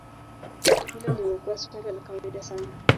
Hilo limekuwa suala la kawaida sana